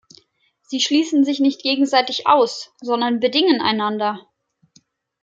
Sie schließen sich nicht gegenseitig aus, sondern bedingen einander.